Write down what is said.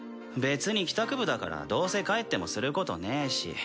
別に帰宅部だからどうせ帰ってもすることねえし。